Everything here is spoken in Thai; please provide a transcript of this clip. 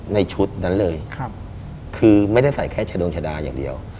ในชุดนั้นเลยคือไม่ได้ใส่แค่ชะดวงชะดาอย่างเดียว